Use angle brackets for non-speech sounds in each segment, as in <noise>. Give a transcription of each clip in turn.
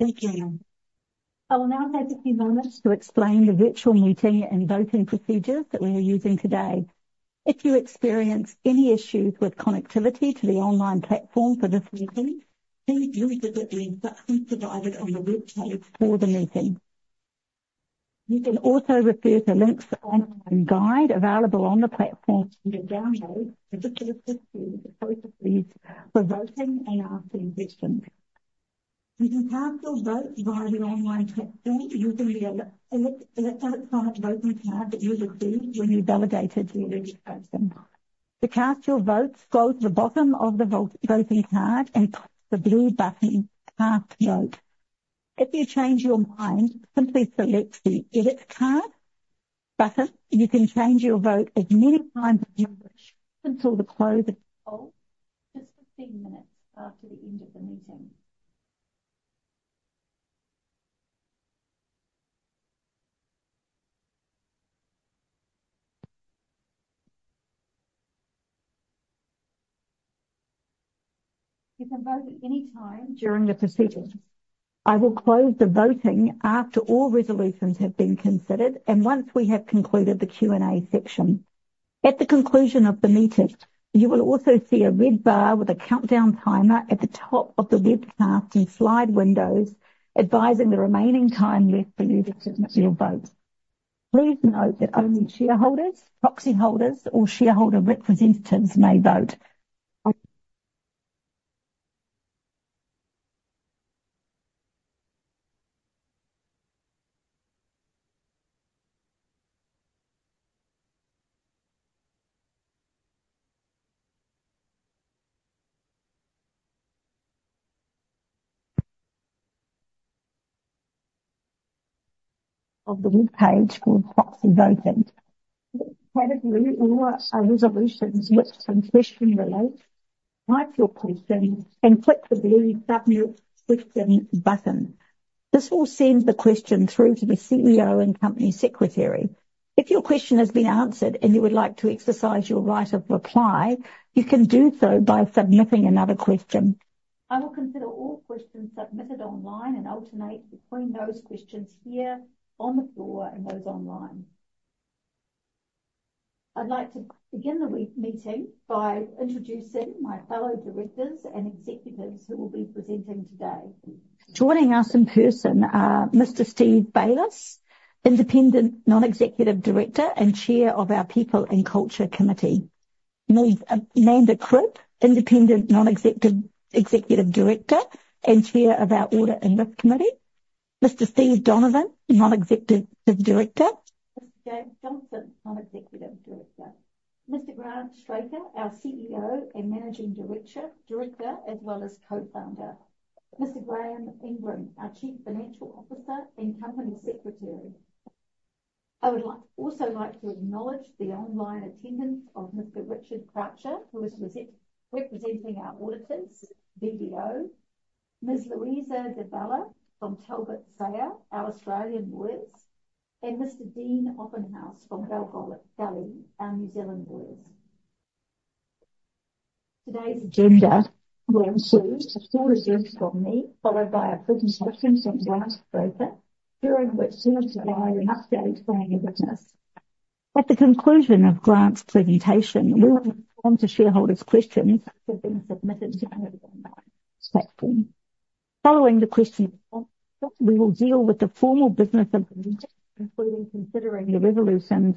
Thank you. I will now take a few moments to explain the virtual meeting and voting procedures that we are using today. If you experience any issues with connectivity to the online platform for this meeting, please refer to the instructions provided on the web page for the meeting. You can also refer to links on the guide available on the platform under Download for specific procedures for voting and asking questions. You can cast your vote via the online platform using the electronic voting card that you received when you validated your registration. To cast your vote, scroll to the bottom of the voting card and click the blue button Cast Vote. If you change your mind, simply select the Edit Card button. You can change your vote as many times as you wish until the close of the poll, just fifteen minutes after the end of the meeting. You can vote at any time during the proceedings. I will close the voting after all resolutions have been considered and once we have concluded the Q&A section. At the conclusion of the meeting, you will also see a red bar with a countdown timer at the top of the webcast and slide windows, advising the remaining time left for you to submit your vote. Please note that only shareholders, proxy holders, or shareholder representatives may vote on the web page called Proxy Voting. Select the category or resolution which your question relates to, type your question and click the blue Submit Question button. This will send the question through to the CEO and company secretary. If your question has been answered and you would like to exercise your right of reply, you can do so by submitting another question. I will consider all questions submitted online and alternate between those questions here on the floor and those online. I'd like to begin the meeting by introducing my fellow directors and executives who will be presenting today. Joining us in person are Mr. Steve Baylis, Independent Non-Executive Director and Chair of our People and Culture Committee. Ms. Amanda Cribb, Independent Non-Executive Director and Chair of our Audit and Risk Committee. Mr. Steve Donovan, Non-Executive Director. Mr. James Johnson, Non-Executive Director. Mr. Grant Straker, our CEO and Managing Director, Director, as well as Co-Founder. Mr. David Ingram, our Chief Financial Officer and Company Secretary. I would also like to acknowledge the online attendance of Mr. Richard Croucher, who is representing our auditors, BDO. Ms. Louisa Di Bella from Talbot Sayer, our Australian lawyers, and Mr. Dean Oppenhuis from Bell Gully, our New Zealand lawyers. Today's agenda will include four resolutions from me, followed by a presentation from Grant Straker, during which he will provide an update explaining the business. At the conclusion of Grant's presentation, we will respond to shareholders' questions that have been submitted to the online platform. Following the question, we will deal with the formal business of the meeting, including considering the resolutions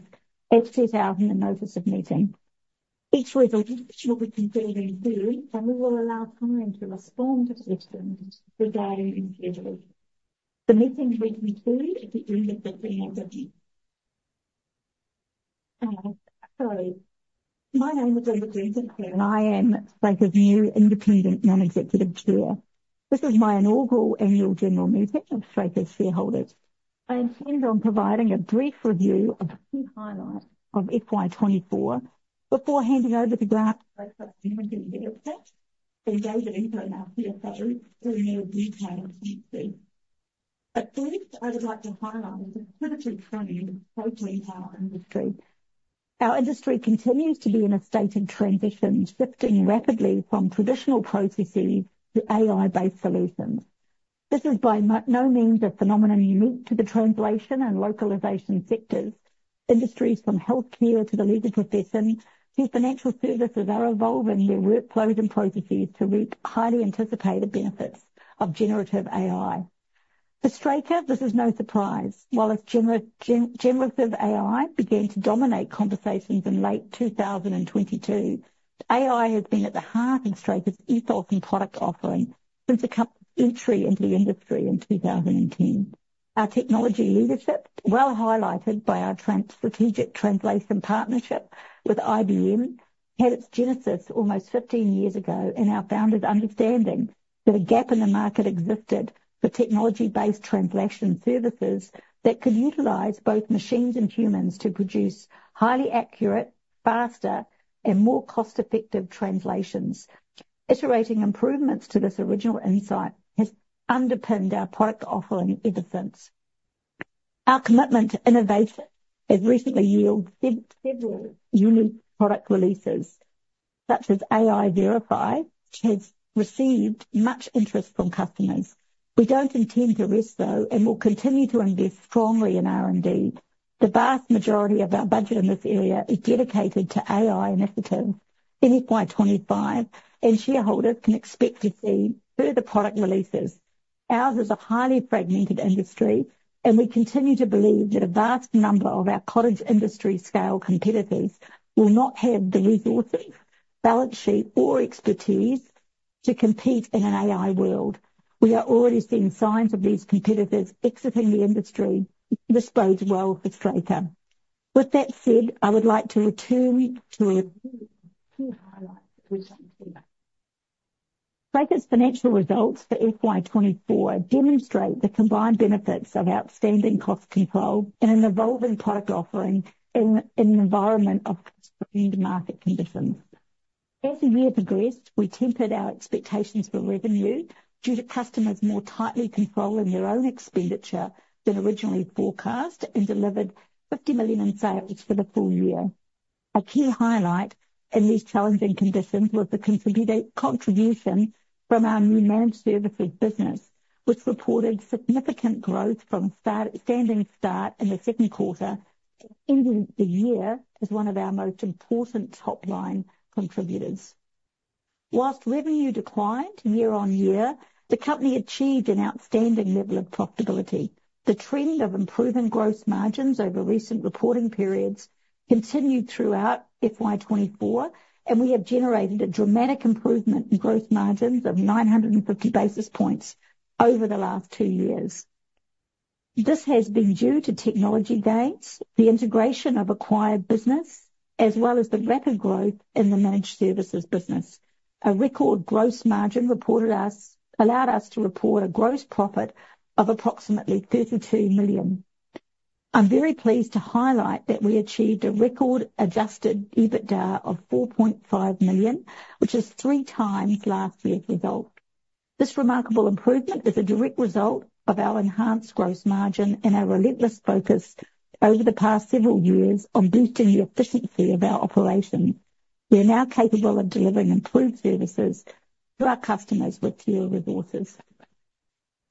as set out in the notice of meeting. Each resolution will be considered in due, and we will allow time to respond to questions regarding each resolution. The meeting will conclude at the end of the third item. So my name is Linda Jenkinson, and I am Straker's new independent non-executive chair. This is my inaugural annual general meeting of Straker shareholders. I intend on providing a brief review of key highlights of FY 2024 before handing over to Grant Straker, our Managing Director, and David Ingram, our CFO, for more detail on each item. But first, I would like to highlight the critically trending protein power industry. Our industry continues to be in a state of transition, shifting rapidly from traditional processes to AI-based solutions. This is by no means a phenomenon unique to the translation and localization sectors. Industries from healthcare to the legal profession to financial services are evolving their workflows and processes to reap highly anticipated benefits of generative AI. For Straker, this is no surprise. While as generative AI began to dominate conversations in late 2022, AI has been at the heart of Straker's ethos and product offering since the entry into the industry in 2010. Our technology leadership, well highlighted by our strategic translation partnership with IBM, had its genesis almost 15 years ago in our founder's understanding that a gap in the market existed for technology-based translation services that could utilize both machines and humans to produce highly accurate, faster, and more cost-effective translations. Iterating improvements to this original insight has underpinned our product offering ever since.... Our commitment to innovation has recently yielded several unique product releases, such as AI Verify, which has received much interest from customers. We don't intend to rest, though, and will continue to invest strongly in R&D. The vast majority of our budget in this area is dedicated to AI initiatives. In FY 2025, and shareholders can expect to see further product releases. Ours is a highly fragmented industry, and we continue to believe that a vast number of our cottage industry scale competitors will not have the resources, balance sheet, or expertise to compete in an AI world. We are already seeing signs of these competitors exiting the industry. This bodes well for Straker. With that said, I would like to return to a few highlights from some time. Straker's financial results for FY 2024 demonstrate the combined benefits of outstanding cost control and an evolving product offering in an environment of constrained market conditions. As the year progressed, we tempered our expectations for revenue due to customers more tightly controlling their own expenditure than originally forecast, and delivered 50 million in sales for the full year. A key highlight in these challenging conditions was the contribution from our new managed services business, which reported significant growth from standing start in the second quarter, ending the year as one of our most important top-line contributors. While revenue declined year-on-year, the company achieved an outstanding level of profitability. The trend of improving gross margins over recent reporting periods continued throughout FY 2024, and we have generated a dramatic improvement in gross margins of 950 basis points over the last two years. This has been due to technology gains, the integration of acquired business, as well as the rapid growth in the managed services business. A record gross margin allowed us to report a gross profit of approximately 32 million. I'm very pleased to highlight that we achieved a record Adjusted EBITDA of 4.5 million, which is three times last year's result. This remarkable improvement is a direct result of our enhanced gross margin and our relentless focus over the past several years on boosting the efficiency of our operations. We are now capable of delivering improved services to our customers with fewer resources.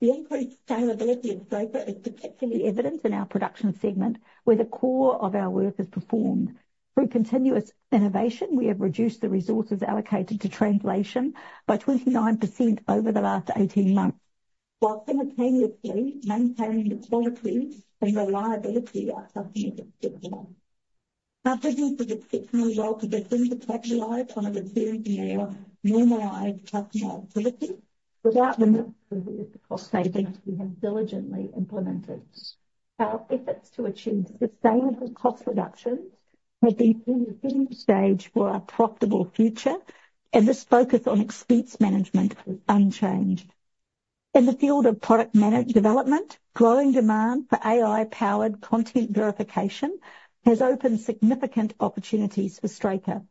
The increased sustainability of Straker is particularly evident in our production segment, where the core of our work is performed. Through continuous innovation, we have reduced the resources allocated to translation by 29% over the last 18 months, whilst simultaneously maintaining the quality and reliability our customers expect. Our business is exceptionally well positioned to capitalize on a returning more normalized customer activity without the cost savings we have diligently implemented. Our efforts to achieve sustainable cost reductions have been a fitting stage for a profitable future, and this focus on expense management is unchanged. In the field of product management development, growing demand for AI-powered content verification has opened significant opportunities for Straker.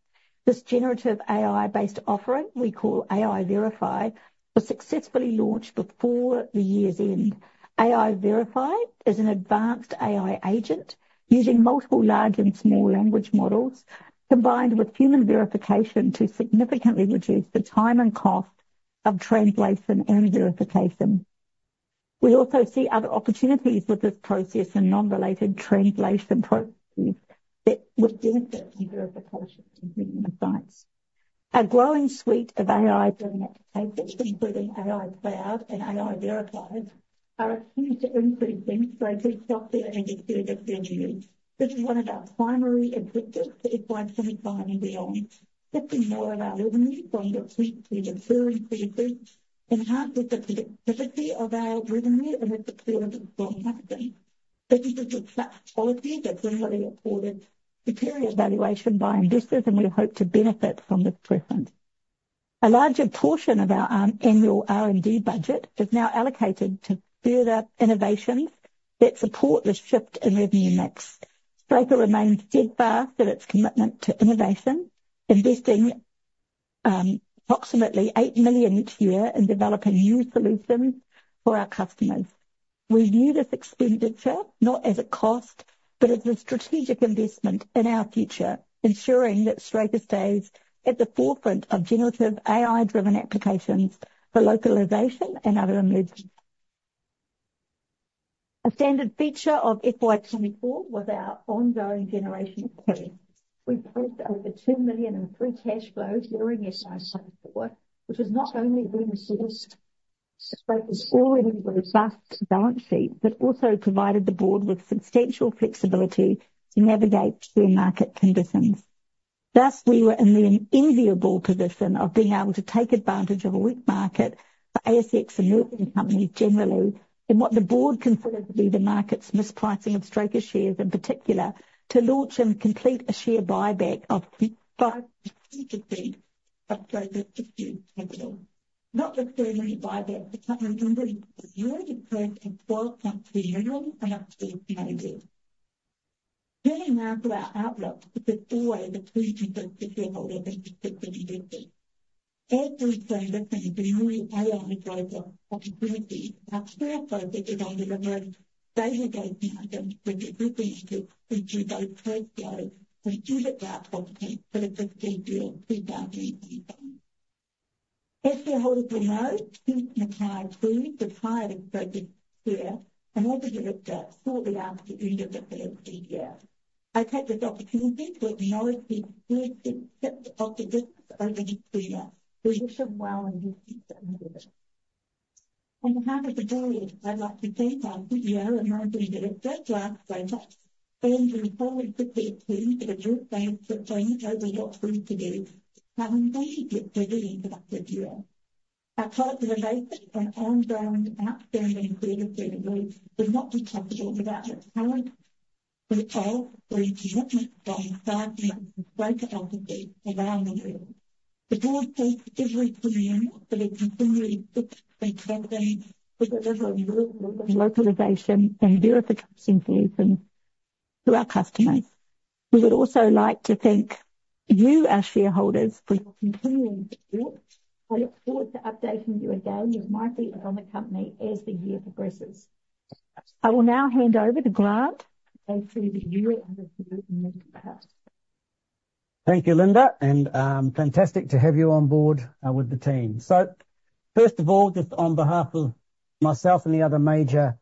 This generative AI-based offering, we call AI Verify, was successfully launched before the year's end. AI Verify is an advanced AI agent using multiple large and small language models, combined with human verification, to significantly reduce the time and cost of translation and verification. We also see other opportunities with this process and non-related translation processes that with denser verification and human insights. Our growing suite of AI-driven applications, including AI Cloud and AI Verify, are key to increasing Straker's software and service revenue. This is one of our primary objectives for FY 2025 and beyond. Shifting more of our revenue from the suite to the recurring suite enhances the predictability of our revenue and has the clear and strong margin. Businesses with such quality are generally afforded superior valuation by investors, and we hope to benefit from this preference. A larger portion of our annual R&D budget is now allocated to further innovations that support this shift in revenue mix. Straker remains steadfast in its commitment to innovation, investing approximately 8 million each year in developing new solutions for our customers. We view this expenditure not as a cost, but as a strategic investment in our future, ensuring that Straker stays at the forefront of generative AI-driven applications for localization and other. <audio distortion> A standard feature of FY 2024 was our ongoing generation plan. We raised over 2 million in free cash flow during FY 2024, which has not only been Straker's already robust balance sheet, but also provided the board with substantial flexibility to navigate share market conditions. Thus, we were in the enviable position of being able to take advantage of a weak market for ASX and <audio distortion> generally, in what the board considers to be the market's mispricing of Straker shares, in particular, to launch and complete a share buyback of. <audio distortion> Getting back to our outlook. <audio distortion> <audio distortion> I take this opportunity to acknowledge the good success of the business over the three years. We wish him well in his future endeavors. On behalf of the board, I'd like to thank our CEO and director, Grant Straker, and the whole executive team for the group's plans over what we could do and how we get to the end of that year. Our collaboration and ongoing outstanding service delivery would not be possible without the talent, <audio distortion> around the world. <audio distortion> verification solutions to our customers. We would also like to thank you, our shareholders, for your continuing support. I look forward to updating you again with my view on the company as the year progresses. I will now hand over to Grant and the team. Thank you, Linda, and fantastic to have you on board with the team. First of all, just on behalf of myself and the other major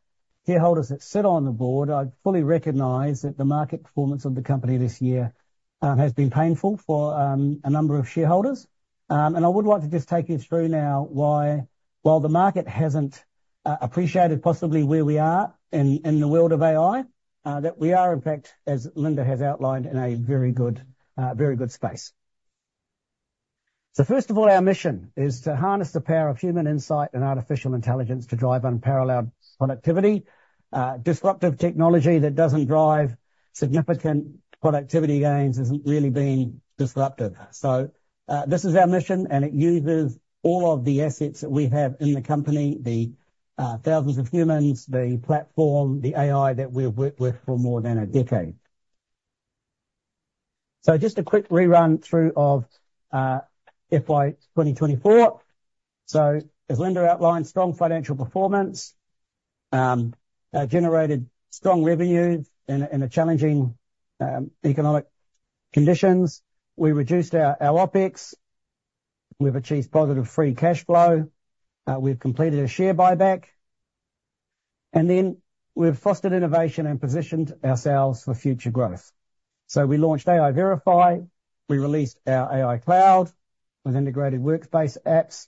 shareholders that sit on the board, I fully recognize that the market performance of the company this year has been painful for a number of shareholders. I would like to just take you through now why, while the market hasn't appreciated possibly where we are in the world of AI, that we are, in fact, as Linda has outlined, in a very good, very good space. First of all, our mission is to harness the power of human insight and artificial intelligence to drive unparalleled productivity. Disruptive technology that doesn't drive significant productivity gains isn't really being disruptive. This is our mission, and it uses all of the assets that we have in the company, the thousands of humans, the platform, the AI that we've worked with for more than a decade. Just a quick rerun through of FY 2024. As Linda outlined, strong financial performance generated strong revenues in a challenging economic conditions. We reduced our OpEx. We've achieved positive free cash flow. We've completed a share buyback, and then we've fostered innovation and positioned ourselves for future growth. We launched AI Verify, we released our AI Cloud with integrated workplace apps.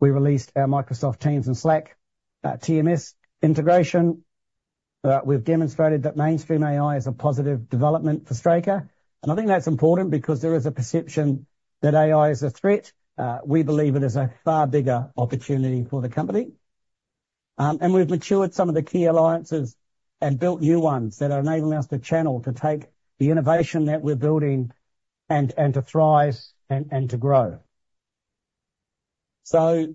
We released our Microsoft Teams and Slack TMS integration. We've demonstrated that mainstream AI is a positive development for Straker, and I think that's important because there is a perception that AI is a threat. We believe it is a far bigger opportunity for the company. We've matured some of the key alliances and built new ones that are enabling us to channel, to take the innovation that we're building and, and to thrive and, and to grow. So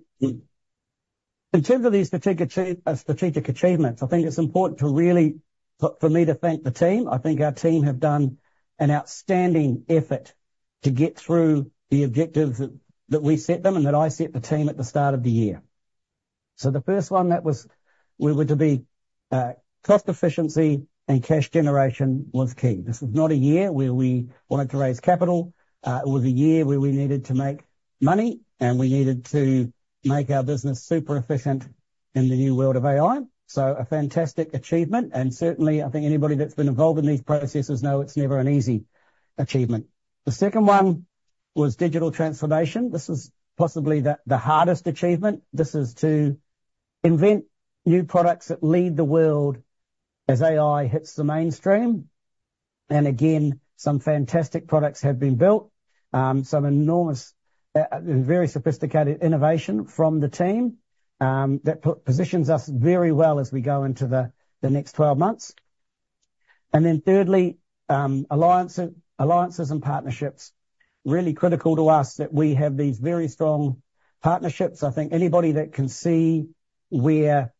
in terms of these strategic achievements, I think it's important to really, for me to thank the team. I think our team have done an outstanding effort to get through the objectives that we set them, and that I set the team at the start of the year. So the first one that was, we were to be, cost efficiency and cash generation was key. This was not a year where we wanted to raise capital. It was a year where we needed to make money, and we needed to make our business super efficient in the new world of AI, so a fantastic achievement, and certainly, I think anybody that's been involved in these processes know it's never an easy achievement. The second one was digital transformation. This is possibly the hardest achievement. This is to invent new products that lead the world as AI hits the mainstream. And again, some fantastic products have been built. Some enormous, very sophisticated innovation from the team, that positions us very well as we go into the next 12 months. And then thirdly, alliances and partnerships, really critical to us that we have these very strong partnerships. I think anybody that can see where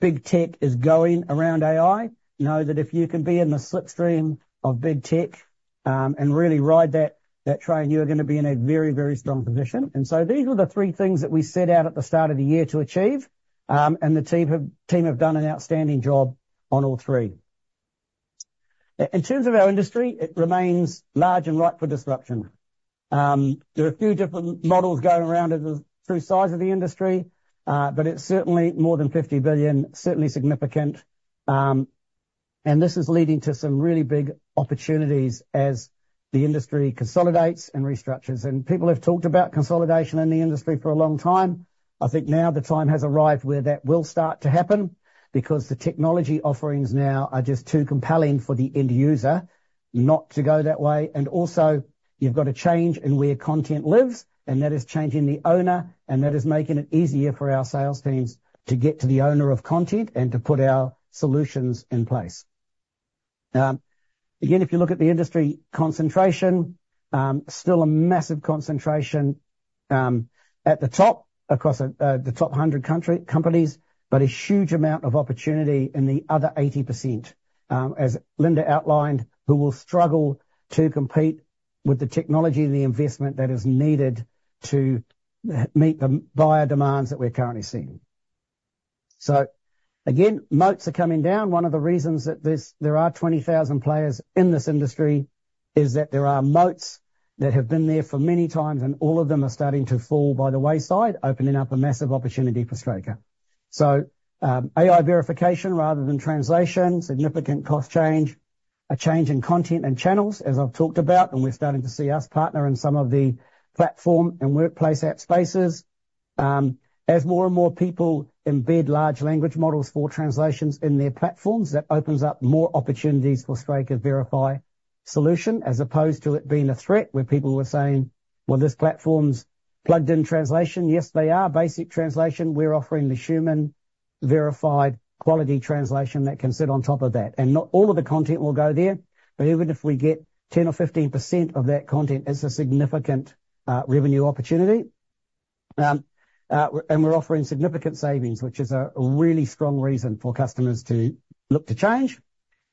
big tech is going around AI know that if you can be in the slipstream of big tech and really ride that train, you are gonna be in a very, very strong position. And so these were the three things that we set out at the start of the year to achieve. The team have done an outstanding job on all three. In terms of our industry, it remains large and ripe for disruption. There are a few different models going around as the true size of the industry, but it's certainly more than 50 billion, certainly significant. And this is leading to some really big opportunities as the industry consolidates and restructures. And people have talked about consolidation in the industry for a long time. I think now the time has arrived where that will start to happen because the technology offerings now are just too compelling for the end user not to go that way. And also, you've got a change in where content lives, and that is changing the owner, and that is making it easier for our sales teams to get to the owner of content and to put our solutions in place. Again, if you look at the industry concentration, still a massive concentration at the top, across the top hundred companies, but a huge amount of opportunity in the other 80%, as Linda outlined, who will struggle to compete with the technology and the investment that is needed to meet the buyer demands that we're currently seeing. So again, moats are coming down. One of the reasons that there are twenty thousand players in this industry is that there are moats that have been there for many times, and all of them are starting to fall by the wayside, opening up a massive opportunity for Straker. So, AI Verify rather than translation, significant cost change, a change in content and channels, as I've talked about, and we're starting to see us partner in some of the platform and workplace app spaces. As more and more people embed large language models for translations in their platforms, that opens up more opportunities for Straker Verify solution, as opposed to it being a threat where people were saying, "Well, this platform's plugged in translation." Yes, they are. Basic translation, we're offering the human verified quality translation that can sit on top of that. And not all of the content will go there, but even if we get 10 or 15% of that content, it's a significant revenue opportunity. And we're offering significant savings, which is a really strong reason for customers to look to change.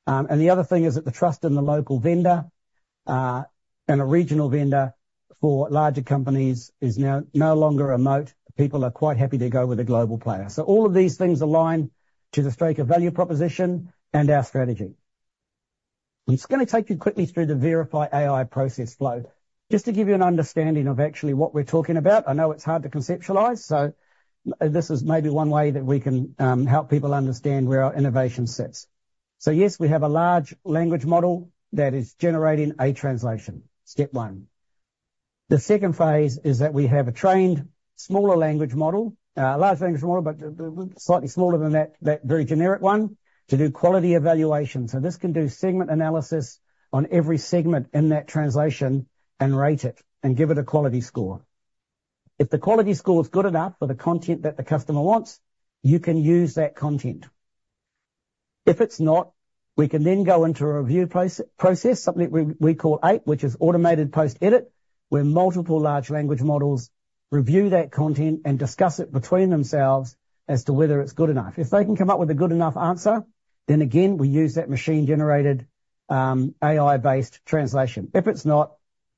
And the other thing is that the trust in the local vendor and a regional vendor for larger companies is now no longer a moat. People are quite happy to go with a global player. So all of these things align to the Straker value proposition and our strategy. I'm just gonna take you quickly through the AI Verify process flow, just to give you an understanding of actually what we're talking about. I know it's hard to conceptualize, so this is maybe one way that we can help people understand where our innovation sits. So yes, we have a large language model that is generating a translation, step one. The second phase is that we have a trained, smaller language model, large language model, but slightly smaller than that, that very generic one, to do Quality Evaluation. So this can do segment analysis on every segment in that translation and rate it, and give it a quality score. If the quality score is good enough for the content that the customer wants, you can use that content. If it's not, we can then go into a review process, something we call APE, which is Automated Post-Edit, where multiple large language models review that content and discuss it between themselves as to whether it's good enough. If they can come up with a good enough answer, then again, we use that machine-generated, AI-based translation. If it's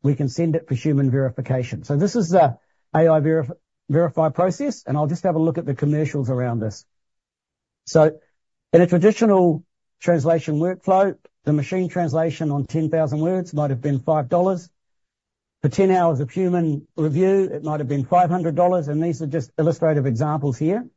not, we can send it for human verification. This is an AI Verify process, and I'll just have a look at the commercials around this. In a traditional translation workflow, the machine translation on 10,000 words might have been 5 dollars. For 10 hours of human review, it might have been 500 dollars, and these are just illustrative examples here.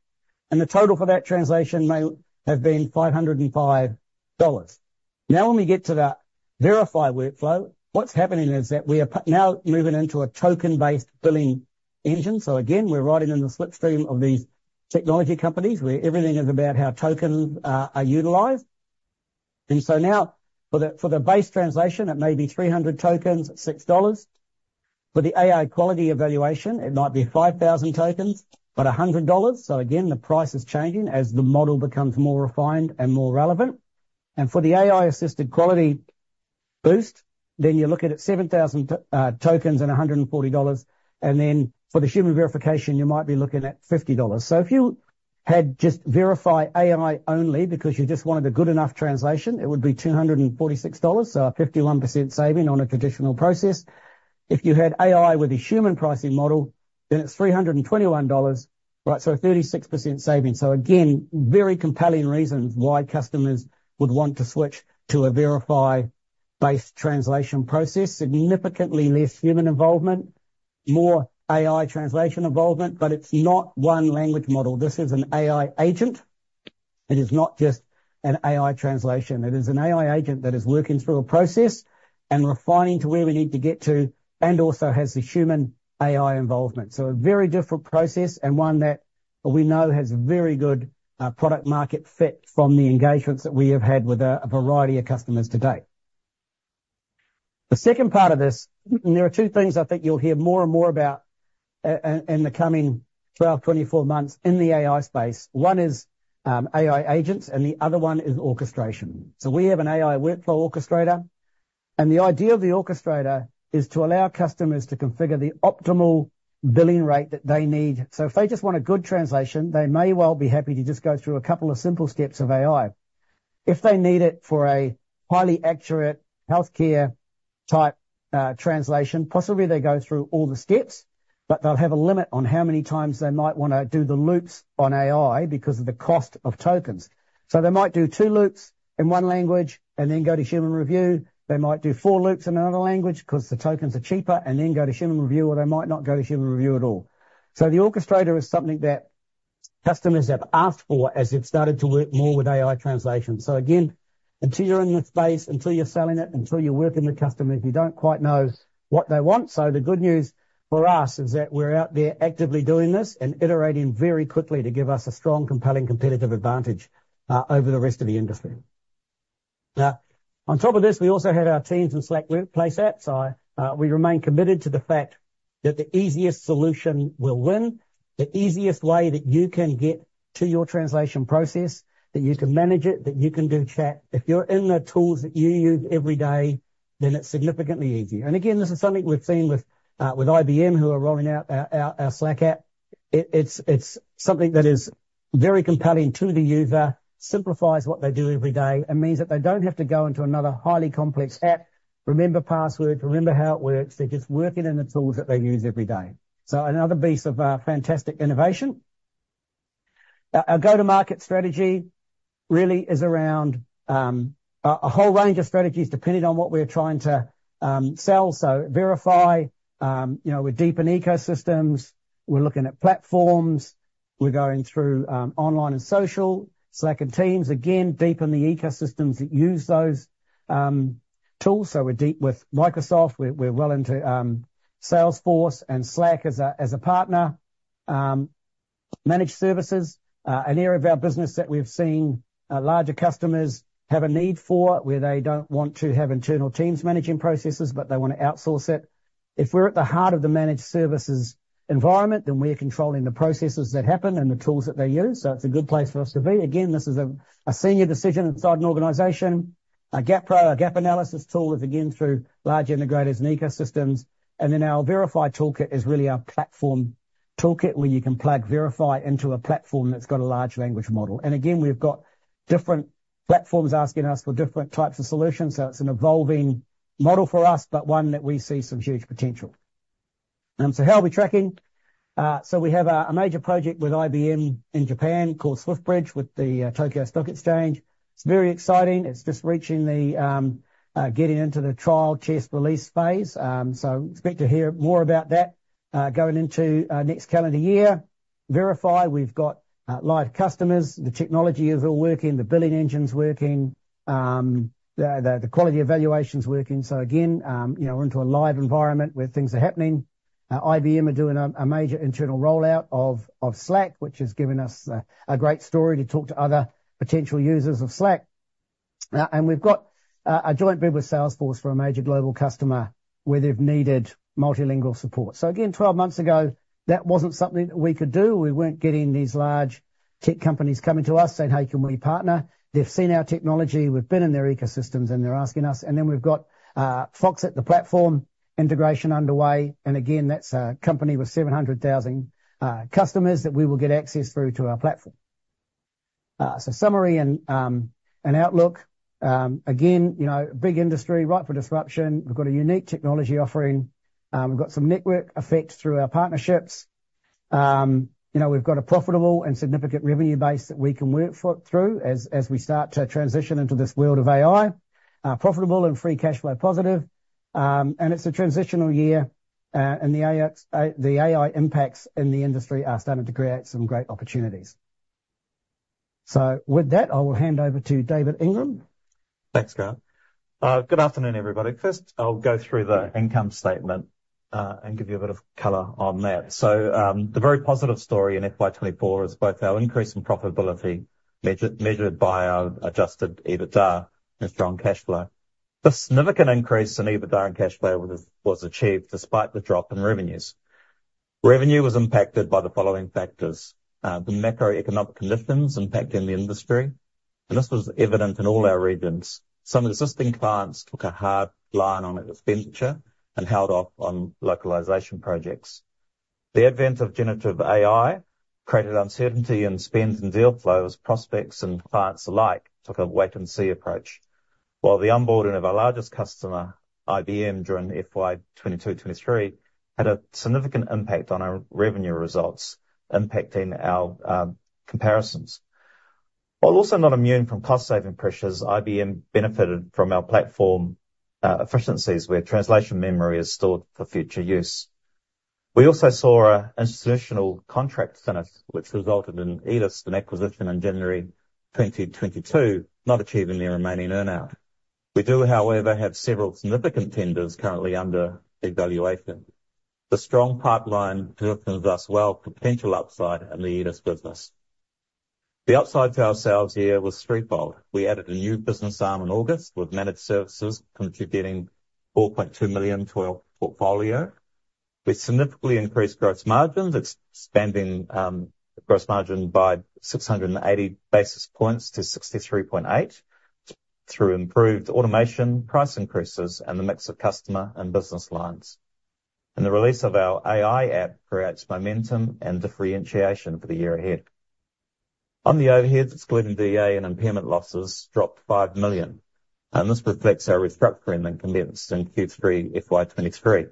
The total for that translation may have been 505 dollars. Now, when we get to the Verify workflow, what's happening is that we are now moving into a token-based billing engine. Again, we're riding in the slipstream of these technology companies, where everything is about how tokens are utilized. Now for the base translation, it may be 300 tokens, 6 dollars. For the AI Quality Evaluation, it might be 5,000 tokens, but 100 dollars. So again, the price is changing as the model becomes more refined and more relevant. For the AI-assisted quality boost, then you're looking at 7,000 tokens and 140 dollars. For the human verification, you might be looking at 50 dollars. If you had just AI Verify only because you just wanted a good enough translation, it would be 246 dollars, so a 51% saving on a traditional process. If you had AI with a human pricing model, then it's 321 dollars, right? So a 36% saving. Very compelling reasons why customers would want to switch to an AI Verify-based translation process. Significantly less human involvement, more AI translation involvement, but it's not one language model. This is an AI agent. It is not just an AI translation. It is an AI agent that is working through a process and refining to where we need to get to, and also has the human AI involvement. So a very different process and one that we know has very good product market fit from the engagements that we have had with a variety of customers to date. The second part of this, and there are two things I think you'll hear more and more about in the coming 12, 24 months in the AI space. One is AI agents, and the other one is Orchestration. So we have an AI workflow orchestrator, and the idea of the orchestrator is to allow customers to configure the optimal billing rate that they need. So if they just want a good translation, they may well be happy to just go through a couple of simple steps of AI. If they need it for a highly accurate healthcare-type translation, possibly they go through all the steps, but they'll have a limit on how many times they might wanna do the loops on AI because of the cost of tokens. So they might do two loops in one language and then go to human review. They might do four loops in another language, 'cause the tokens are cheaper, and then go to human review, or they might not go to human review at all. So the Orchestrator is something that customers have asked for as they've started to work more with AI translation. So again, until you're in the space, until you're selling it, until you're working with customers, you don't quite know what they want. So the good news for us is that we're out there actively doing this and iterating very quickly to give us a strong, compelling, competitive advantage over the rest of the industry. On top of this, we also had our teams in Slack Workplace app, so we remain committed to the fact that the easiest solution will win. The easiest way that you can get to your translation process, that you can manage it, that you can do chat. If you're in the tools that you use every day, then it's significantly easier. And again, this is something we've seen with IBM, who are rolling out our Slack app. It's something that is very compelling to the user, simplifies what they do every day, and means that they don't have to go into another highly complex app, remember passwords, remember how it works. They're just working in the tools that they use every day. So another piece of fantastic innovation. Our go-to-market strategy really is around a whole range of strategies, depending on what we are trying to sell. So Verify, you know, we deepen ecosystems. We're looking at platforms. We're going through online and social, Slack and Teams. Again, deepen the ecosystems that use those tools. So we're deep with Microsoft. We're well into Salesforce and Slack as a partner. Managed Services, an area of our business that we've seen, larger customers have a need for, where they don't want to have internal teams managing processes, but they want to outsource it. If we're at the heart of the Managed Services environment, then we're controlling the processes that happen and the tools that they use, so it's a good place for us to be. Again, this is a senior decision inside an organization. Our Gap Pro, our Gap analysis tool is, again, through large integrators and ecosystems. And then our Verify toolkit is really our platform toolkit, where you can plug Verify into a platform that's got a large language model. And again, we've got different platforms asking us for different types of solutions, so it's an evolving model for us, but one that we see some huge potential. So how are we tracking? So we have a major project with IBM in Japan called SwiftBridge, with the Tokyo Stock Exchange. It's very exciting. It's just reaching the getting into the trial phase release phase. So expect to hear more about that, going into next calendar year. Verify, we've got live customers. The technology is all working, the Billing Engine's working, the Quality Evaluation's working. So again, you know, we're into a live environment where things are happening. IBM are doing a major internal rollout of Slack, which has given us a great story to talk to other potential users of Slack. And we've got a joint bid with Salesforce for a major global customer, where they've needed multilingual support. So again, 12 months ago, that wasn't something that we could do. We weren't getting these large tech companies coming to us saying, "Hey, can we partner?" They've seen our technology, we've been in their ecosystems, and they're asking us, and then we've got Foxit at the platform, integration underway, and again, that's a company with 700,000 customers that we will get access through to our platform. So summary and outlook. Again, you know, big industry, ripe for disruption. We've got a unique technology offering. We've got some network effect through our partnerships. You know, we've got a profitable and significant revenue base that we can work through as we start to transition into this world of AI. Profitable and free cash flow positive, and it's a transitional year, and the AI impacts in the industry are starting to create some great opportunities. So with that, I will hand over to David Ingram. Thanks, Grant. Good afternoon, everybody. First, I'll go through the income statement, and give you a bit of color on that. So, the very positive story in FY 2024 is both our increase in profitability, measured by our adjusted EBITDA and strong cash flow. The significant increase in EBITDA and cash flow was achieved despite the drop in revenues. Revenue was impacted by the following factors: The macroeconomic conditions impacting the industry, and this was evident in all our regions. Some existing clients took a hard line on expenditure and held off on localization projects. The advent of generative AI created uncertainty in spends and deal flow as prospects and clients alike took a wait and see approach. While the onboarding of our largest customer, IBM, during FY 2022, 2023, had a significant impact on our revenue results, impacting our comparisons. While also not immune from cost-saving pressures, IBM benefited from our platform efficiencies, where translation memory is stored for future use. We also saw an institutional contract center, which resulted in IDEST, an acquisition in January 2022, not achieving their remaining earn-out. We do, however, have several significant tenders currently under evaluation. The strong pipeline positions us well for potential upside in the IDEST business. The upside to our sales year was threefold. We added a new business arm in August with managed services, contributing 4.2 million to our portfolio. We significantly increased gross margins, expanding gross margin by 680 basis points to 63.8%, through improved automation, price increases, and the mix of customer and business lines, and the release of our AI app creates momentum and differentiation for the year ahead. On the overheads, excluding DA and impairment losses, dropped 5 million, and this reflects our restructuring and condensed in Q3 FY 2023.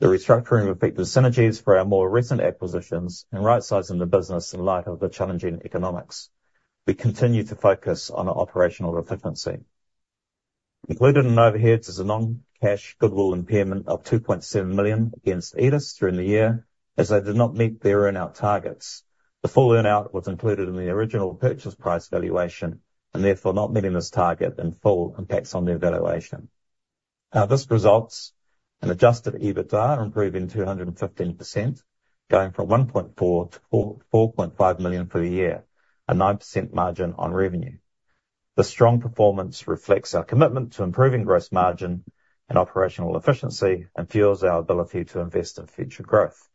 The restructuring affected synergies for our more recent acquisitions and rightsizing the business in light of the challenging economics. We continue to focus on our operational efficiency. Included in overheads is a non-cash goodwill impairment of 2.7 million against IDEST during the year, as they did not meet their earn-out targets. The full earn-out was included in the original purchase price valuation, and therefore, not meeting this target in full impacts on the evaluation. Now, this results in adjusted EBITDA, improving 215%, going from 1.4 million to 4.5 million for the year, a 9% margin on revenue. The strong performance reflects our commitment to improving gross margin and operational efficiency and fuels our ability to invest in future growth.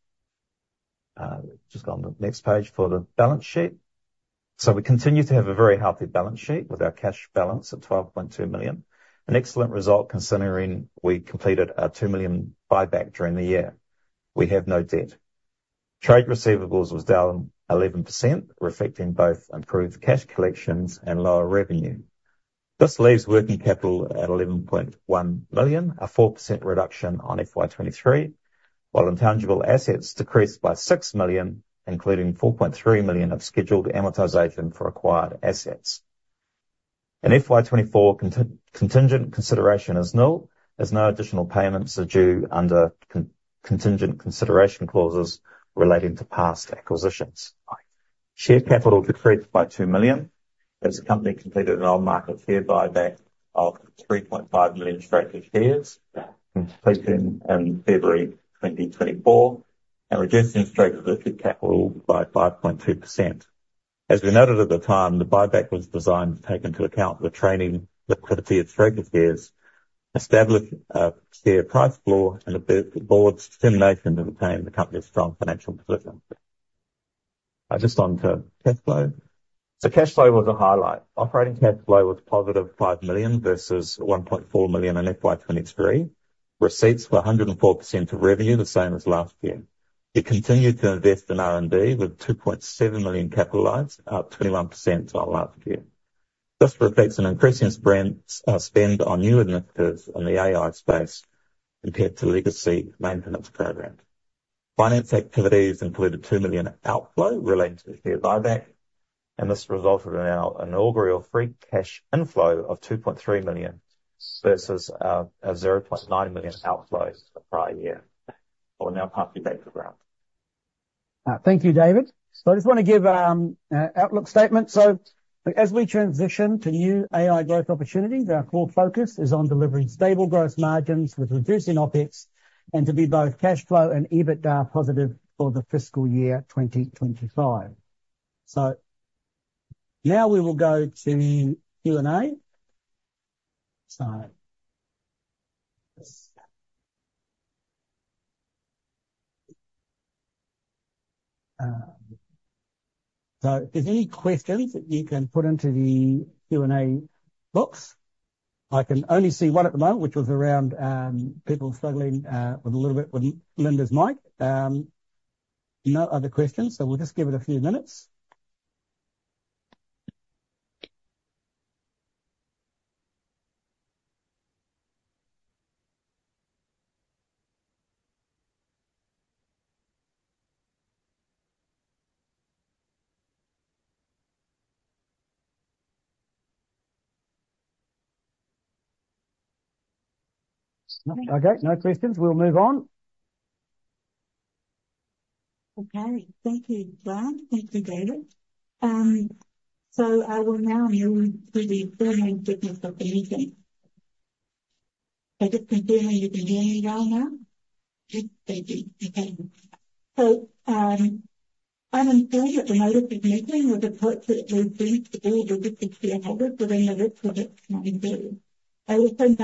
Just go on to the next page for the balance sheet. We continue to have a very healthy balance sheet with our cash balance at 12.2 million. An excellent result considering we completed a 2 million buyback during the year. We have no debt. Trade receivables was down 11%, reflecting both improved cash collections and lower revenue. This leaves working capital at 11.1 million, a 4% reduction on FY 2023, while intangible assets decreased by 6 million, including 4.3 million of scheduled amortization for acquired assets. In FY 2024, contingent consideration is nil, as no additional payments are due under contingent consideration clauses relating to past acquisitions. Share capital decreased by 2 million, as the company completed an on-market share buyback of 3.5 million Straker shares completed in February 2024, and reducing Straker listed capital by 5.2%. As we noted at the time, the buyback was designed to take into account the trading liquidity of Straker shares, establish a share price floor, and the board's determination to maintain the company's strong financial position. Just on to cash flow. So cash flow was a highlight. Operating cash flow was positive 5 million versus 1.4 million in FY 2023. Receipts were 104% of revenue, the same as last year. We continued to invest in R&D, with 2.7 million capitalized, up 21% on last year. This reflects an increasing spend on new initiatives in the AI space compared to legacy maintenance programs. Finance activities included 2 million outflow related to the share buyback, and this resulted in our inaugural free cash inflow of 2.3 million versus a 0.9 million outflow the prior year. I will now pass you back to Grant. Thank you, David. So I just want to give outlook statement. So as we transition to new AI growth opportunities, our core focus is on delivering stable growth margins with reducing OpEx, and to be both cash flow and EBITDA positive for the fiscal year 2025. So now we will go to Q&A. So, so if there's any questions that you can put into the Q&A box. I can only see one at the moment, which was around, people struggling, with a little bit with Linda's mic. No other questions, so we'll just give it a few minutes. Okay, no questions. We'll move on. Okay. Thank you, Grant. Thank you, David. So I will now move to the formal business of the meeting. I'm just confirming you can hear me well now? Yes, thank you. Okay. <audio distortion> I now table the notice of the meeting,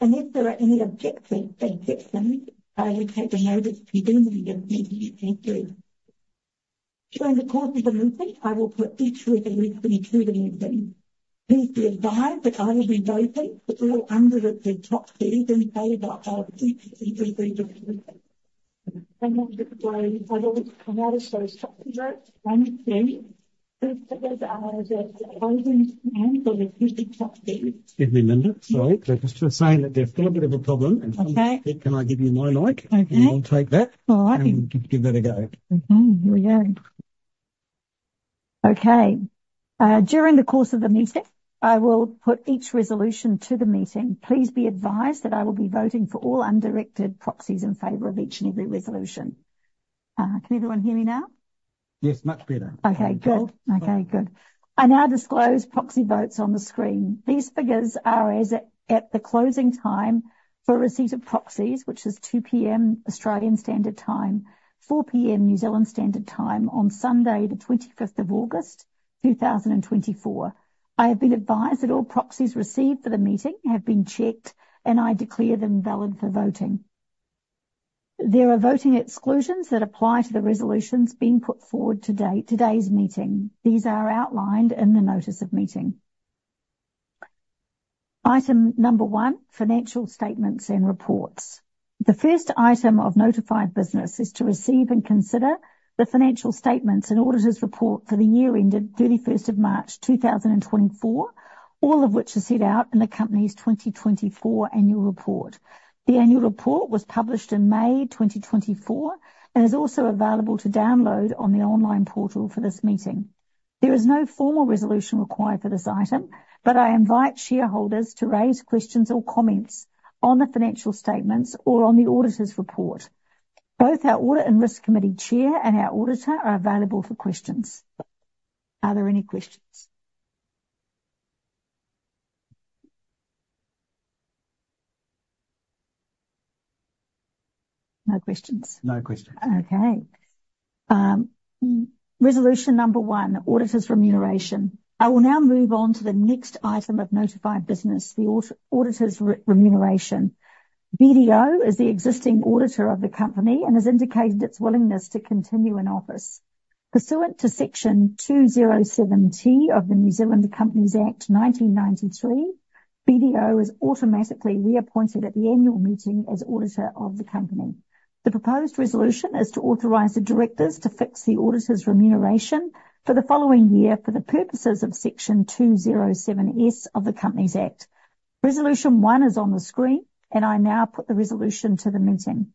and if there are any objections, I will take the reading of the notice of the meeting. Thank you. During the course of the meeting, I will put each resolution to the meeting. Please be advised that I will be voting for all undirected proxies. <audio distortion> Excuse me, Linda. Sorry. They're just saying that they've got a bit of a problem. Okay. Can I give you my mic? Okay. You'll take that. All right. Give that a go. Okay. Here we go. Okay, during the course of the meeting, I will put each resolution to the meeting. Please be advised that I will be voting for all undirected proxies in favor of each and every resolution. Can everyone hear me now? Yes, much better. Okay, good. I now disclose proxy votes on the screen. These figures are as at the closing time for receipt of proxies, which is 2:00 P.M. Australian Standard Time, 4:00 P.M. New Zealand Standard Time, on Sunday, the 25th of August, 2024. I have been advised that all proxies received for the meeting have been checked, and I declare them valid for voting. There are voting exclusions that apply to the resolutions being put forward today, today's meeting. These are outlined in the notice of meeting. Item number one, financial statements and reports. The first item of notified business is to receive and consider the financial statements and auditors' report for the year ended 31st of March, 2024, all of which are set out in the company's 2024 annual report. The annual report was published in May 2024 and is also available to download on the online portal for this meeting. There is no formal resolution required for this item, but I invite shareholders to raise questions or comments on the financial statements or on the auditors' report. Both our Audit and Risk Committee chair and our auditor are available for questions. Are there any questions? No questions. No questions. Okay. Resolution number one, Auditor's Remuneration. I will now move on to the next item of notified business, the Auditor's Remuneration. BDO is the existing auditor of the company and has indicated its willingness to continue in office. Pursuant to Section 207T of the New Zealand Companies Act 1993, BDO is automatically reappointed at the annual meeting as auditor of the company. The proposed resolution is to authorize the directors to fix the auditor's remuneration for the following year for the purposes of Section 207S of the Companies Act. Resolution one is on the screen, and I now put the resolution to the meeting.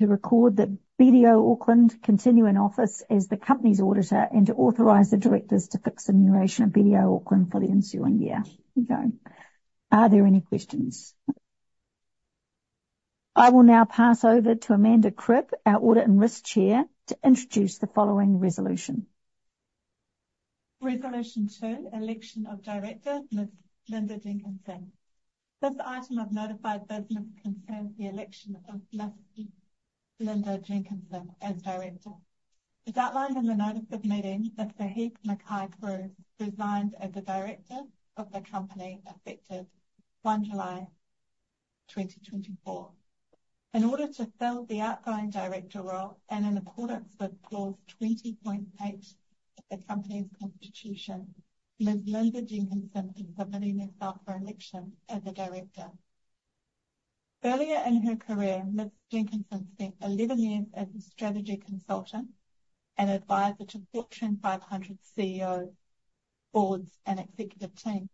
To record that BDO Auckland continue in office as the company's auditor and to authorize the directors to fix the remuneration of BDO Auckland for the ensuing year. Here we go. Are there any questions? I will now pass over to Amanda Cribb, our Audit and Risk Chair, to introduce the following resolution. Resolution two, Election of Director, Ms. Linda Jenkinson. This item of notified business concerns the election of Ms. Linda Jenkinson as director. As outlined in the notice of meeting, Mr. Heith Mackay-Cruise resigned as a director of the company effective one July 2024. In order to fill the outgoing director role and in accordance with Clause 20.8 of the company's constitution, Ms. Linda Jenkinson is submitting herself for election as a director. Earlier in her career, Ms. Jenkinson spent 11 years as a strategy consultant and advisor to Fortune 500 CEO boards and executive teams.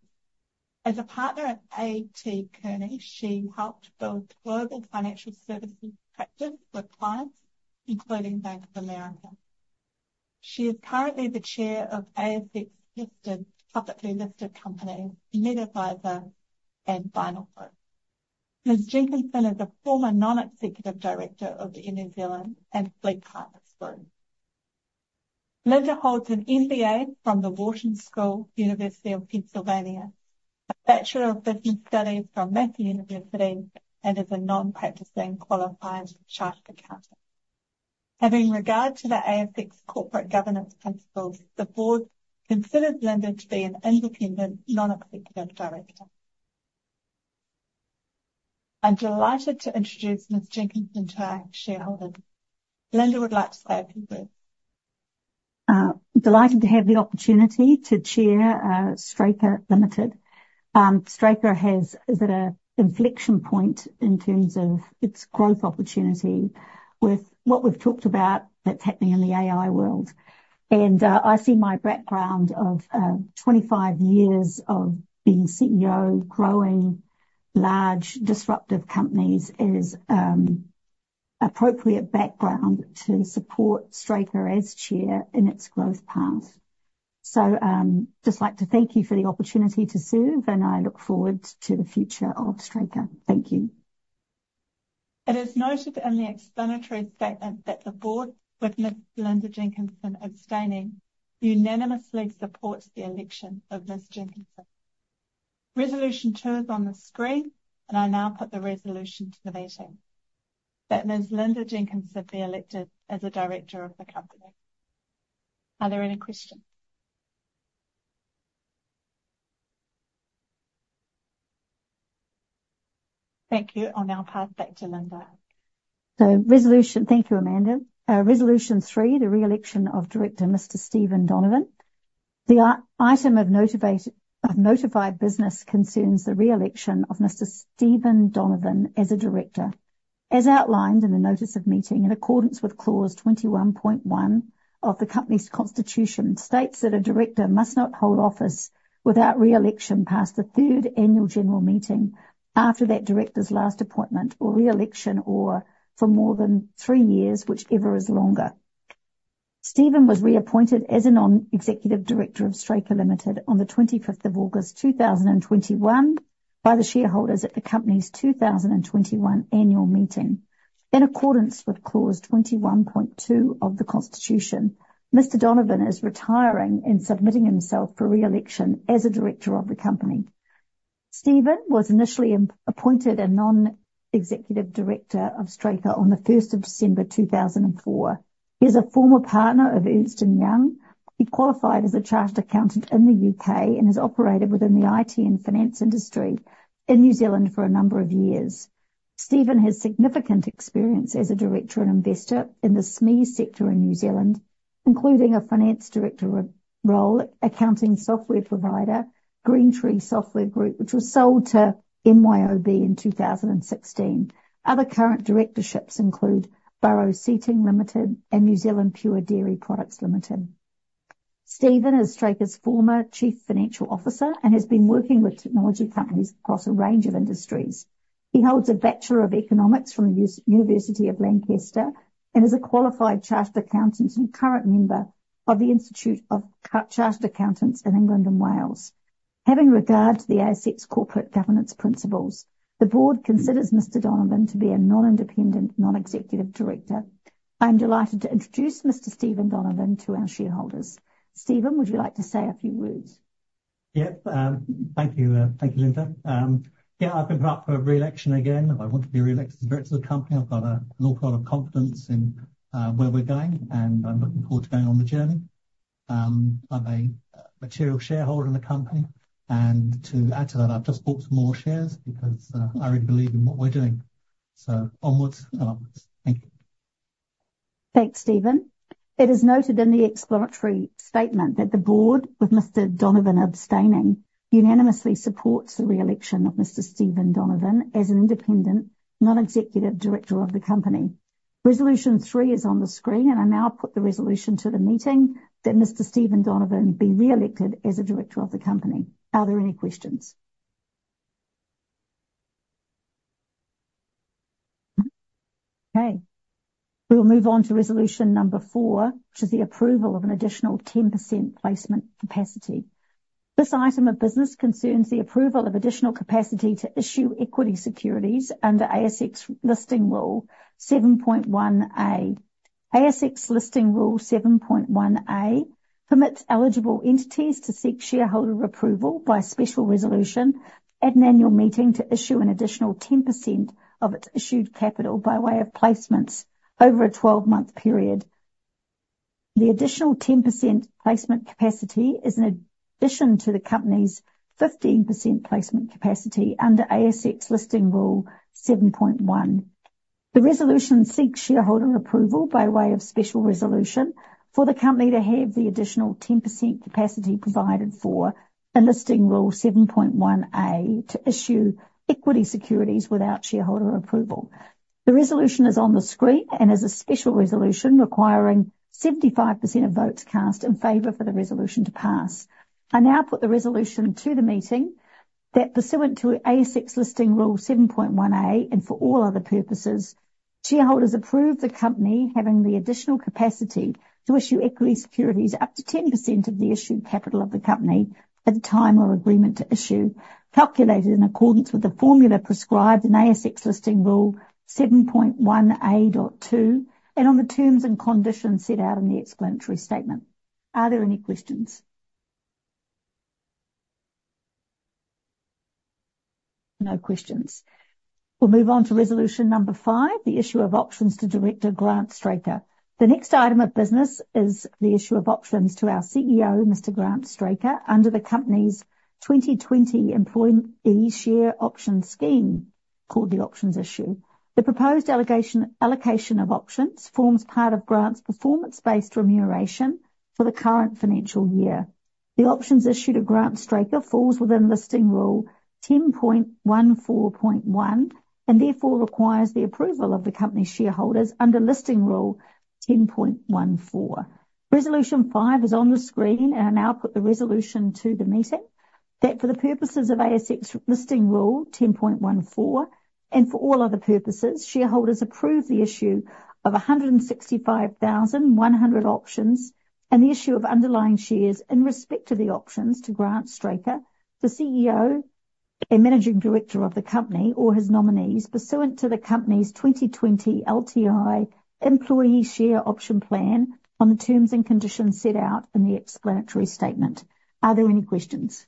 As a partner at A.T. Kearney, she helped build global financial services practice with clients, including Bank of America. She is currently the chair of ASX listed, publicly listed company, MedAdvisor and Vinyl Group. Ms. Jenkinson is a former non-executive director of Air New Zealand and FleetPartners. Linda holds an MBA from the Wharton School, University of Pennsylvania, a Bachelor of Business Studies from Massey University, and is a non-practicing qualifying chartered accountant. Having regard to the ASX corporate governance principles, the board considers Linda to be an independent, non-executive director. I'm delighted to introduce Ms. Jenkinson to our shareholders. Linda would like to say a few words. Delighted to have the opportunity to chair Straker Limited. Straker is at an inflection point in terms of its growth opportunity with what we've talked about that's happening in the AI world. I see my background of 25 years of being CEO, growing large disruptive companies, is appropriate background to support Straker as chair in its growth path. Just like to thank you for the opportunity to serve, and I look forward to the future of Straker. Thank you. It is noted in the explanatory statement that the board, with Ms. Linda Jenkinson abstaining, unanimously supports the election of Ms. Jenkinson. Resolution two is on the screen, and I now put the resolution to the meeting. That Ms. Linda Jenkinson be elected as a director of the company. Are there any questions? Thank you. I'll now pass back to Linda. Thank you, Amanda. Resolution three, the re-election of Director Mr. Stephen Doovan. The item of notified business concerns the re-election of Mr. Stephen Doovan as a director. As outlined in the notice of meeting, in accordance with Clause 21.1 of the company's constitution, states that a director must not hold office without re-election past the 3rd annual general meeting after that director's last appointment or re-election, or for more than three years, whichever is longer. Steven was reappointed as a non-executive director of Straker Limited on the 25th of August 2021 by the shareholders at the company's 2021 annual meeting. In accordance with Clause 21.2 of the constitution, Mr. Donovan is retiring and submitting himself for re-election as a director of the company. Steven was initially appointed a non-executive director of Straker on the 1st of December 2024. He is a former partner of Ernst & Young. He qualified as a chartered accountant in the U.K. and has operated within the IT and finance industry in New Zealand for a number of years. Steven has significant experience as a director and investor in the SME sector in New Zealand, including a finance director role, accounting software provider, Greentree Software Group, which was sold to MYOB in 2016. Other current directorships include Buro Seating Limited and New Zealand Pure Dairy Products Limited. Steven is Straker's former Chief Financial Officer and has been working with technology companies across a range of industries. He holds a Bachelor of Economics from the University of Lancaster and is a qualified chartered accountant and current member of the Institute of Chartered Accountants in England and Wales. Having regard to the ASX corporate governance principles, the board considers Mr. Donovan to be a non-independent, non-executive director. I'm delighted to introduce Mr. Stephen Doovan to our shareholders. Steven, would you like to say a few words? Yep. Thank you. Thank you, Linda. Yeah, I've been put up for re-election again. I want to be re-elected as a director of the company. I've got an awful lot of confidence in where we're going, and I'm looking forward to going on the journey. I'm a material shareholder in the company, and to add to that, I've just bought some more shares because I really believe in what we're doing. So onwards and upwards. Thank you. Thanks, Steven. It is noted in the explanatory statement that the board, with Mr. Donovan abstaining, unanimously supports the re-election of Mr. Stephen Doovan as an independent, non-executive director of the company. Resolution three is on the screen, and I now put the resolution to the meeting that Mr. Stephen Doovan be re-elected as a director of the company. Are there any questions? Okay, we will move on to resolution number four, which is the approval of an additional 10% placement capacity. This item of business concerns the approval of additional capacity to issue equity securities under ASX Listing Rule 7.1A. ASX Listing Rule 7.1A permits eligible entities to seek shareholder approval by special resolution at an annual meeting to issue an additional 10% of its issued capital by way of placements over a 12-month period. The additional 10% placement capacity is an addition to the company's 15% placement capacity under ASX Listing Rule 7.1. The resolution seeks shareholder approval, by way of special resolution, for the company to have the additional 10% capacity provided for in Listing Rule 7.1A to issue equity securities without shareholder approval. The resolution is on the screen and is a special resolution requiring 75% of votes cast in favor for the resolution to pass. I now put the resolution to the meeting that pursuant to ASX Listing Rule 7.1A, and for all other purposes, shareholders approve the company having the additional capacity to issue equity securities up to 10% of the issued capital of the company at the time of agreement to issue, calculated in accordance with the formula prescribed in ASX Listing Rule 7.1A.2, and on the terms and conditions set out in the explanatory statement. Are there any questions? No questions. We'll move on to resolution number 5, the issue of options to Director Grant Straker. The next item of business is the issue of options to our CEO, Mr. Grant Straker, under the company's 2020 Employee Share Option Scheme, called the Options Issue. The proposed allocation of options forms part of Grant's performance-based remuneration for the current financial year. The options issued to Grant Straker falls within Listing Rule 10.4.1, and therefore requires the approval of the company's shareholders under Listing Rule 10.4. Resolution 5 is on the screen, and I now put the resolution to the meeting. That for the purposes of ASX Listing Rule 10.4, and for all other purposes, shareholders approve the issue of 165,100 options, and the issue of underlying shares in respect to the options to Grant Straker, the CEO and Managing Director of the company, or his nominees, pursuant to the company's 2020 LTI Employee Share Option Plan on the terms and conditions set out in the explanatory statement. Are there any questions?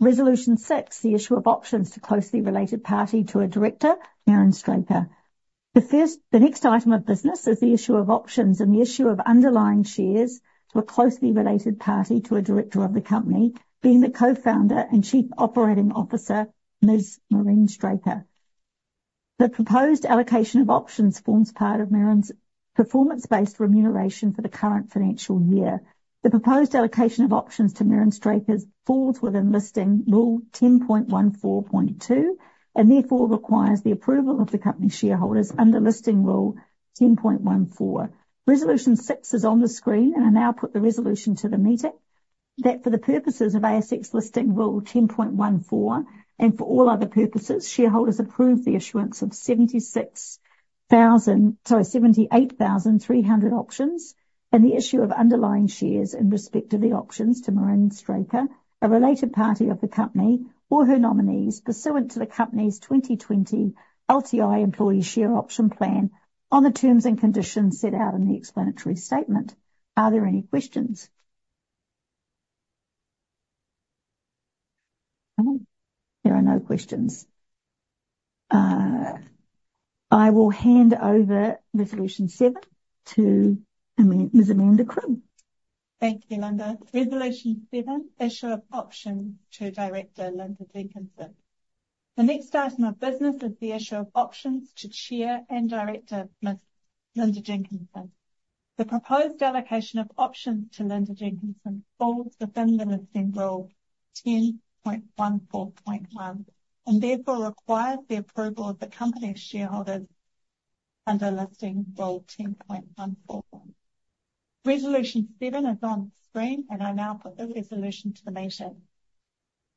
Resolution 6, the issue of options to closely related party to a director, Merran Straker. The next item of business is the issue of options and the issue of underlying shares to a closely related party, to a director of the company, being the Co-Founder and Chief Operating Officer, Ms. Merran Straker. The proposed allocation of options forms part of Merran's performance-based remuneration for the current financial year. The proposed allocation of options to Merran Straker falls within Listing Rule 10.14.2, and therefore requires the approval of the company's shareholders under Listing Rule 10.14. Resolution six is on the screen, and I now put the resolution to the meeting. That for the purposes of ASX Listing Rule 10.14, and for all other purposes, shareholders approve the issuance of 76,000... Sorry, 78,300 options, and the issue of underlying shares in respect to the options to Merran Straker, a related party of the company, or her nominees, pursuant to the company's 2020 LTI Employee Share Option Plan on the terms and conditions set out in the explanatory statement. Are there any questions? Okay, there are no questions. I will hand over resolution seven to Aman- Ms. Amanda Cribb. Thank you, Linda. Resolution seven, issue of options to Director Linda Jenkinson. The next item of business is the issue of options to Chair and Director Ms. Linda Jenkinson. The proposed allocation of options to Linda Jenkinson falls within the Listing Rule 10.14.1, and therefore requires the approval of the company's shareholders under Listing Rule 10.14.1. Resolution seven is on the screen, and I now put the resolution to the meeting...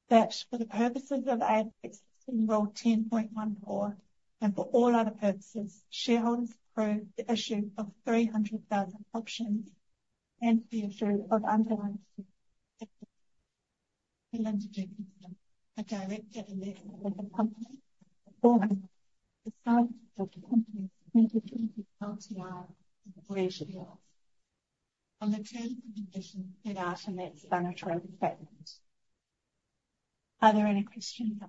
that for the purposes of ASX Listing Rule 10.14, and for all other purposes, shareholders approve the issue of 300,000 options to a director of the company pursuant to the company's 2020 LTI Plan on the terms and conditions set out in that explanatory statement. Are there any questions?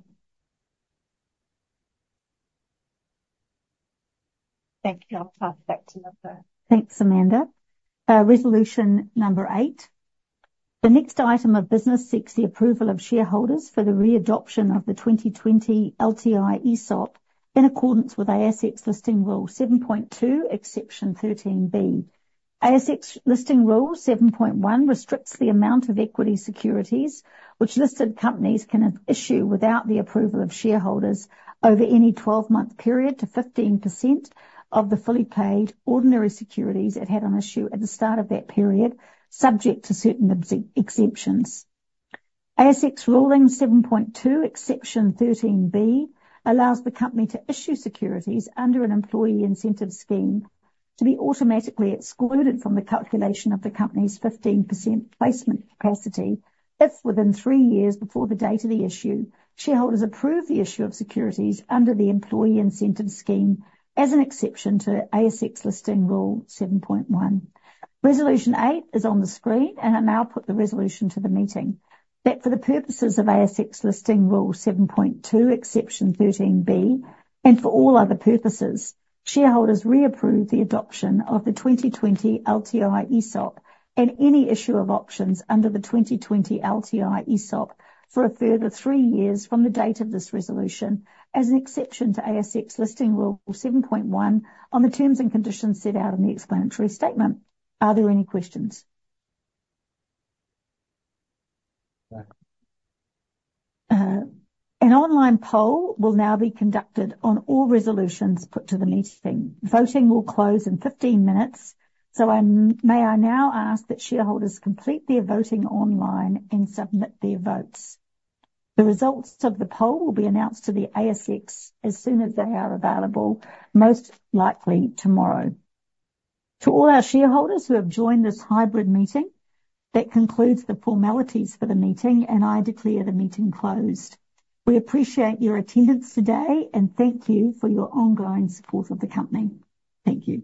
Thank you. I'll pass back to Linda. Thanks, Amanda. Resolution number eight. The next item of business seeks the approval of shareholders for the re-adoption of the 2020 LTI ESOP in accordance with ASX Listing Rule 7.2, Exception 13B. ASX Listing Rule 7.1 restricts the amount of equity securities which listed companies can issue without the approval of shareholders over any 12-month period to 15% of the fully paid ordinary securities it had on issue at the start of that period, subject to certain exceptions. ASX Ruling 7.2, Exception 13B, allows the company to issue securities under an employee incentive scheme to be automatically excluded from the calculation of the company's 15% placement capacity if, within three years before the date of the issue, shareholders approve the issue of securities under the employee incentive scheme as an exception to ASX Listing Rule 7.1. Resolution 8 is on the screen, and I now put the resolution to the meeting. That for the purposes of ASX Listing Rule 7.2, Exception 13B, and for all other purposes, shareholders reapprove the adoption of the 2020 LTI ESOP and any issue of options under the 2020 LTI ESOP for a further three years from the date of this resolution as an exception to ASX Listing Rule 7.1 on the terms and conditions set out in the explanatory statement. Are there any questions? No. An online poll will now be conducted on all resolutions put to the meeting. Voting will close in 15 minutes, so may I now ask that shareholders complete their voting online and submit their votes. The results of the poll will be announced to the ASX as soon as they are available, most likely tomorrow. To all our shareholders who have joined this hybrid meeting, that concludes the formalities for the meeting, and I declare the meeting closed. We appreciate your attendance today, and thank you for your ongoing support of the company. Thank you.